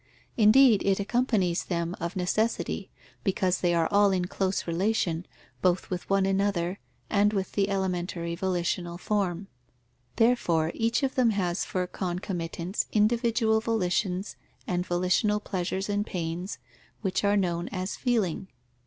Indeed it accompanies them of necessity, because they are all in close relation, both with one another and with the elementary volitional form. Therefore each of them has for concomitants individual volitions and volitional pleasures and pains which are known as feeling.